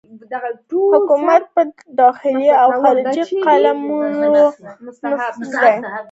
حاکمیت په داخلي او خارجي قلمرو نفوذ دی.